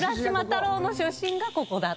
太郎の出身がここだ。